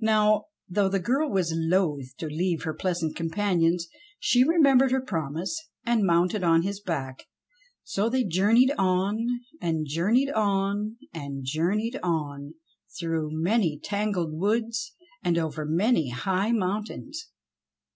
Now, though the girl was loth to leave her pleasant companions, she remembered her promise, and mounted on his back, so they journeyed on and journeyed on and journeyed on through many tangled woods and over many high mountains.